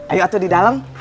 ayo atur di dalam